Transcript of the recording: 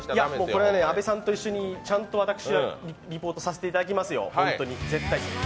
これは阿部さんと一緒にちゃんと私、リポートさせていただきますよ